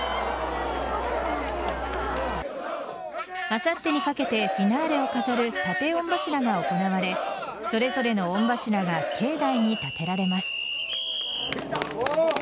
あさってにかけてフィナーレを飾る建御柱が行われそれぞれの御柱が境内に建てられます。